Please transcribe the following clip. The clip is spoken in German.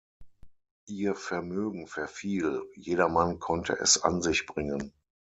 Ihr Vermögen verfiel, jedermann konnte es an sich bringen.